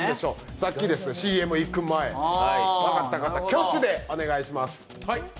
さっきＣＭ行く前ですね、分かった方、挙手でお願いします。